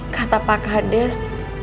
kata pak hades